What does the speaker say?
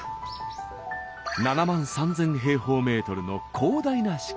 ７万３，０００平方メートルの広大な敷地。